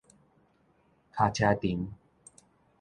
跤車藤